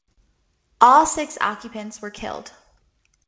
All six occupants were killed.